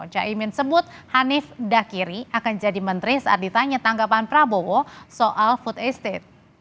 caimin sebut hanif dakiri akan jadi menteri saat ditanya tanggapan prabowo soal food estate